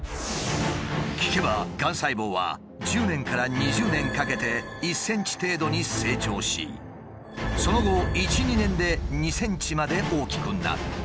聞けばがん細胞は１０年から２０年かけて１ｃｍ程度に成長しその後１２年で２ｃｍまで大きくなる。